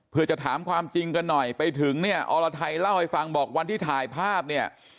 เพื่อจะถามความจริงกันหน่อยไปถึงเนี่ยอรไทยเล่าให้ฟังบอกวันที่ถ่ายภาพเนี่ย